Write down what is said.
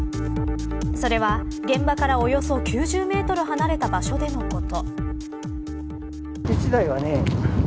それは、現場からおよそ９０メートル離れた場所でのこと。